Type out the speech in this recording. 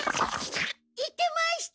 言ってました。